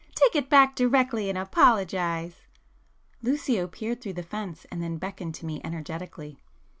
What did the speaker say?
Take it back directly and apologise!" Lucio peered through the fence, and then beckoned to me energetically.